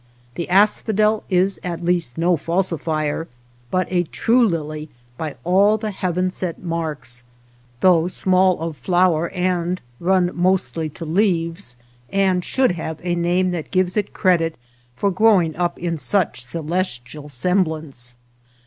The asphodel is at least no falsifier, but a true lily by all the heaven set marks, though small of flower and run mostly to leaves, and should have a name that gives it credit for growing up in such celestial semblance.